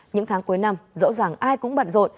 những tháng cuối năm dẫu rằng ai cũng bận rộn